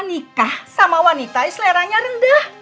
nikah sama wanita seleranya rendah